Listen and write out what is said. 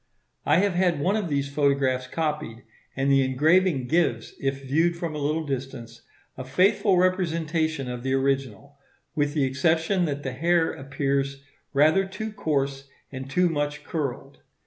I have had one of these photographs copied, and the engraving gives, if viewed from a little distance, a faithful representation of the original, with the exception that the hair appears rather too coarse and too much curled.